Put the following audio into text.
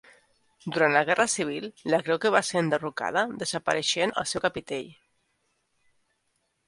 Durant la Guerra Civil, la creu que va ser enderrocada, desapareixent el seu capitell.